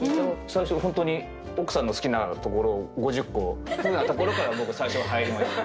最初本当に奥さんの好きなところを５０個。っていうふうなところから僕最初は入りました。